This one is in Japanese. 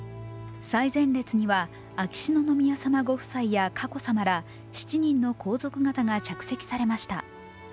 最前列には秋篠宮さまご夫妻や佳子さまら７人の皇族方が着席されました。